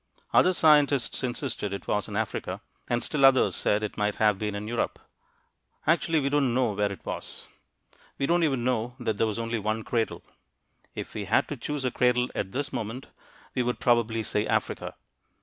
Other scientists insisted it was in Africa, and still others said it might have been in Europe. Actually, we don't know where it was. We don't even know that there was only one "cradle." If we had to choose a "cradle" at this moment, we would probably say Africa.